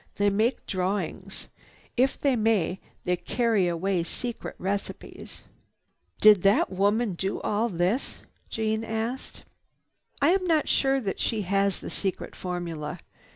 They make drawings. If they may, they carry away secret receipts." "Did that woman do all this?" Jeanne asked. "I am not sure that she has the secret formula.